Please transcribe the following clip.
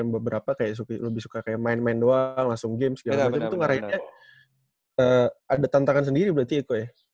beberapa kayak lebih suka kayak main main doang langsung game segala macam itu ngarahinnya ada tantangan sendiri berarti eko ya